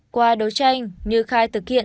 qua đấu tranh như khai thực hiện